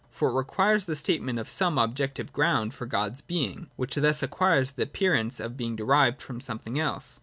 For it requires the statement of some objective ground for God's being, which thus acquires the ap pearance of being derived from something else.